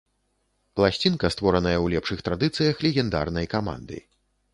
Пласцінка, створаная ў лепшых традыцыях легендарнай каманды.